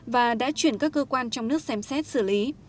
và đã chuyển các cơ quan trong nước xem xét xử lý